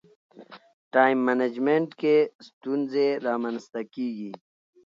ټایم منجمنټ کې ستونزې رامنځته کېږي.